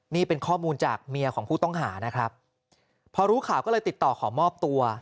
นี่เป็นข้อมูลจากเมียของผู้ต้องหานะครับพอรู้ข่าวก็เลยติดต่อขอมอบตัว